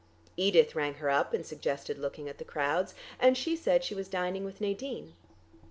Edith rang her up and suggested looking at the crowds, and she said she was dining with Nadine.